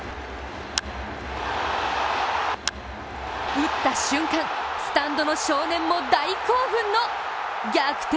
打った瞬間、スタンドの少年も大興奮の逆転